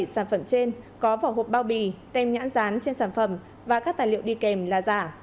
một trăm chín mươi bảy sản phẩm trên có vỏ hộp bao bì tem nhãn rán trên sản phẩm và các tài liệu đi kèm là giả